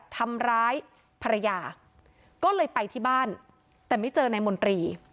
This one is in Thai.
ทำร้ายภรรยาก็เลยไปที่บ้านแต่ไม่เจอนายมนตรี